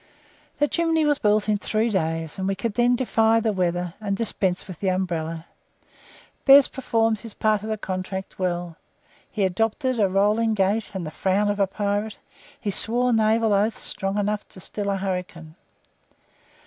The chimney was built in three days, and we could then defy the weather, and dispense with the umbrella. Bez performed his part of the contract well. He adopted a rolling gait and the frown of a pirate; he swore naval oaths strong enough to still a hurricane.